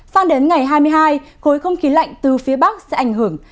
sang đến ngày hai mươi hai khối không khí lạnh từ phía bắc sẽ ảnh hưởng